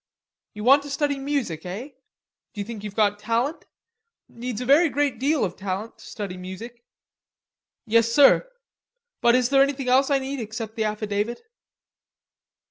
You want to study music, eh? D'you think you've got talent? Needs a very great deal of talent to study music." "Yes, sir.... But is there anything else I need except the affidavit?"